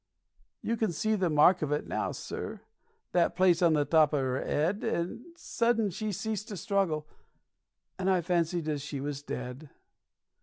You can see the mark of it now, sir that place on the top of 'er 'ed And sudden she ceased to struggle, and I fancied as she was dead.